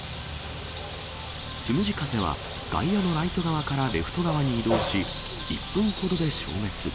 つむじ風は、外野のライト側からレフト側に移動し、１分ほどで消滅。